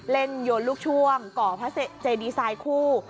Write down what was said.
เล่นยนต์ลูกช่วงเกาะพระเจดีไซน์คู่